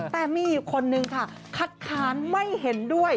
แต่มีอีกคนนึงค่ะคัดค้านไม่เห็นด้วย